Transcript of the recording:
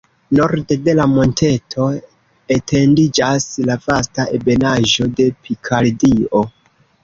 Norde de la monteto etendiĝas la vasta ebenaĵo de Pikardio.